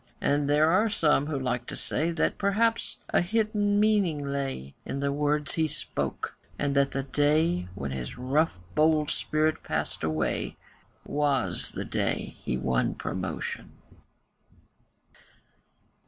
And there are some who like to say That perhaps a hidden meaning lay In the words he spoke, and that the day When his rough bold spirit passed away Was the day that he won promotion.